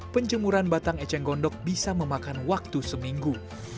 penjemuran batang eceng gondok bisa memakan waktu seminggu